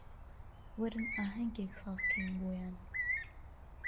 وەرن ئاهەنگێک سازکەین بۆیان